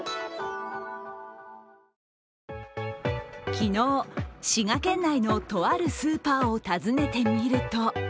昨日、滋賀県内のとあるスーパーを訪ねてみると。